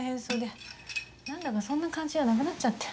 何だかそんな感じじゃなくなっちゃって。